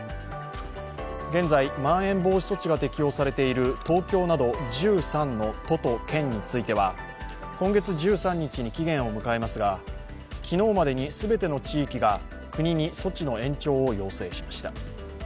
現在、まん延防止措置が適用されている東京など１３の都と県については今月１３日に期限を迎えますが、昨日までに全ての地域が国に措置の延長を要請しました。